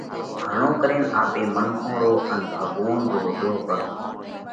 گھڻو ڪرينَ آپي منکون رو ان ڀڳوونَ رو ۮوه ڪرونه۔